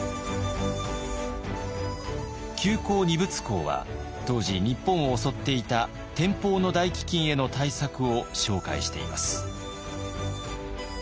「救荒二物考」は当時日本を襲っていた天保の大飢饉への対策を紹介しています。